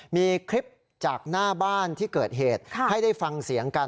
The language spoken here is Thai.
มีคลิปจากหน้าบ้านที่เกิดเหตุให้ได้ฟังเสียงกัน